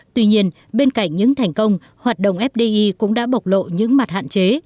tuy nhiên bên cạnh những thành công hoạt động fdi cũng đã bộc lộ những mặt hạn chế